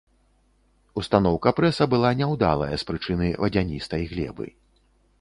Устаноўка прэса была няўдалая з прычыны вадзяністай глебы.